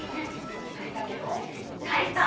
ないたケロ？ないた！